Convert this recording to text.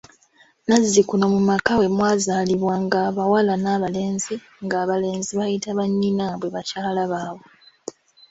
Nnazzikuno mu maka bwe mwazaalibwanga abawala n’abalenzi, ng’abalenzi bayita bannyinaabwe bakyala baabwe.